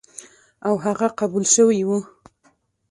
او هغه قبول شوی و،